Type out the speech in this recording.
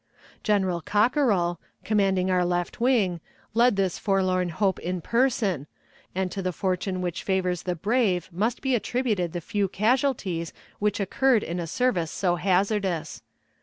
General Cockerell, commanding our left wing, led this forlorn hope in person, and to the fortune which favors the brave must be attributed the few casualties which occurred in a service so hazardous.